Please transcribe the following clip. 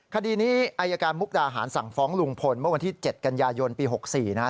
คดีนี้อายการมุกดาหารสั่งฟ้องลุงพลเมื่อวันที่๗กันยายนปี๖๔นะครับ